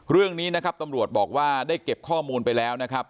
เรื่องนี้นะครับตำรวจบอกว่าได้เก็บข้อมูลไปแล้วนะครับ